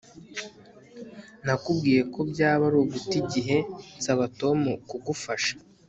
Nakubwiye ko byaba ari uguta igihe nsaba Tom kugufasha